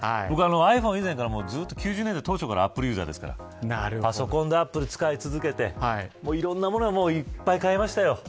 僕は９０年代当初からアップルユーザーですからパソコンでアップルを使い続けていろんなものをいっぱい買いましたよ。